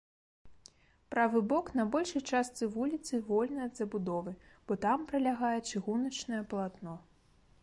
Правы бок на большай частцы вуліцы вольны ад забудовы, бо там пралягае чыгуначнае палатно.